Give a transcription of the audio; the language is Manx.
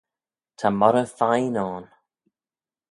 Ta moghrey fine ayn.